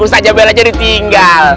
ustadz zabel aja ditinggal